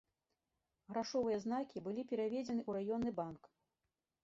Грашовыя знакі былі пераведзены ў раённы банк.